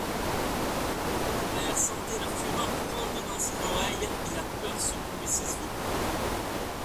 Omer sentait la fureur gronder dans ses oreilles, et la peur secouer ses os.